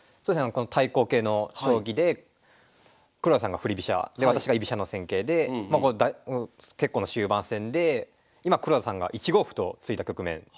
この対抗形の将棋で黒田さんが振り飛車で私が居飛車の戦型で結構な終盤戦で今黒田さんが１五歩と突いた局面。